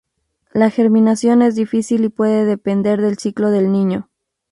La germinación es difícil y puede depender del ciclo de El Niño.